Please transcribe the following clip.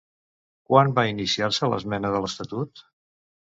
Quan va iniciar-se l'esmena de l'estatut?